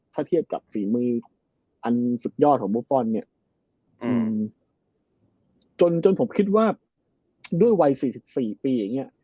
ถ้าเทียบกับฝีมืออันสุดยอดของมุฟฟ้อนด์เนี้ยอืมจนจนผมคิดว่าด้วยวัยสี่สิบสี่ปีอย่างเงี้ย